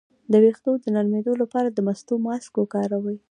د ویښتو د نرمیدو لپاره د مستو ماسک وکاروئ